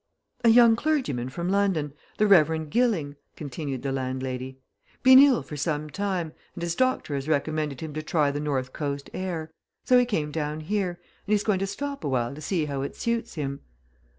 "A young clergyman from London the Reverend Gilling," continued the landlady. "Been ill for some time, and his doctor has recommended him to try the north coast air. So he came down here, and he's going to stop awhile to see how it suits him."